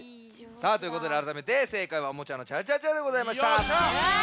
さあということであらためてせいかいは「おもちゃのチャチャチャ」でございました。